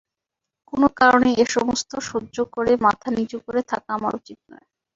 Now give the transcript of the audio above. কোনো কারণেই এ-সমস্ত সহ্য করে মাথা নিচু করে থাকা আমার উচিত নয়।